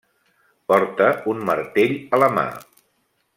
Porta un martell a la mà.